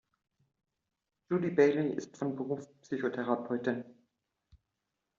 Judy Bailey ist von Beruf Psychotherapeutin.